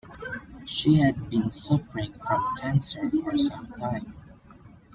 She had been suffering from cancer for some time.